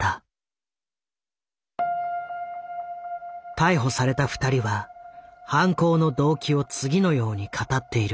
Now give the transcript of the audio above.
逮捕された２人は犯行の動機を次のように語っている。